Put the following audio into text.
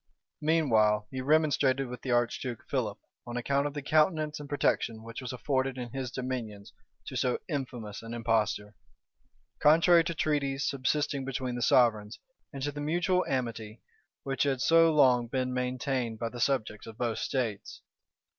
{1494.} Meanwhile he remonstrated with the archduke Philip, on account of the countenance and protection which was afforded in his dominions to so infamous an impostor; contrary to treaties subsisting between the sovereigns, and to the mutual amity which had so long been maintained by the subjects of both states.